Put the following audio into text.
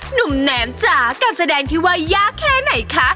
หนุ่มแหนมจ๋าการแสดงที่ว่ายากแค่ไหนคะ